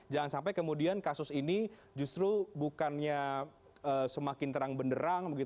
jangan sampai kemudian kasus ini justru bukannya semakin terang benderang